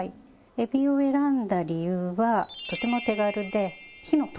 エビを選んだ理由はとても手軽で火の通りが早い。